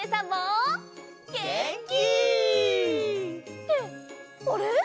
ってあれ？